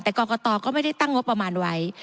แต่กรกตก็ไม่ได้ตั้งงบประมาณไว้